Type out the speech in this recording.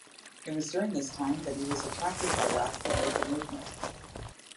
It was during this time that he was attracted to the radical labor movement.